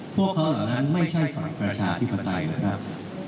พวกเขาเหล่านั้นไม่ใช่ฝ่ายประชาธิปไตยนะครับ